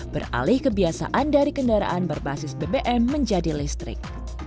beralih kebiasaan dari kendaraan berbasis bbm menjadi listrik